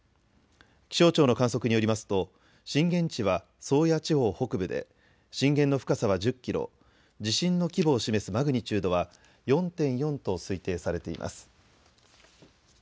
気象庁の観測によりますと震源地は宗谷地方北部で震源の深さは１０キロ、地震の規模を示すマグニチュードは４．４と推定されています。